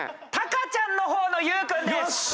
たかちゃんの方のゆうくんです。